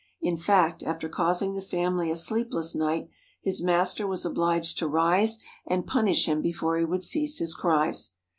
In fact, after causing the family a sleepless night, his master was obliged to rise and punish him before he would cease his cries.